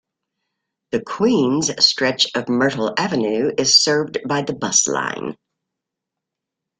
The Queens stretch of Myrtle Avenue is served by the bus line.